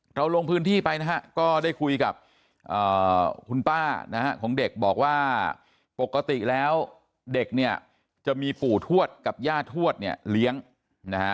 ลงพื้นที่ไปนะฮะก็ได้คุยกับคุณป้านะฮะของเด็กบอกว่าปกติแล้วเด็กเนี่ยจะมีปู่ทวดกับย่าทวดเนี่ยเลี้ยงนะฮะ